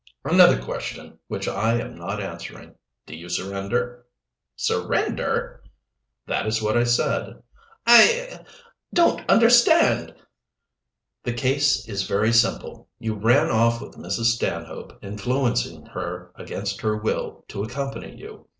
"Another question which I am not answering. Do you surrender?" "Surrender?" "That is what I said." "I er don't understand." "The case is very simple. You ran off with Mrs. Stanhope, influencing her against her will to accompany you.